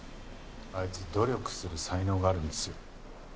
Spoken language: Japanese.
あいつ努力する才能があるんですよ。